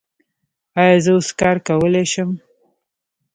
ایا زه اوس کار کولی شم؟